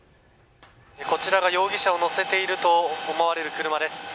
こちらが容疑者を乗せていると思われる車です。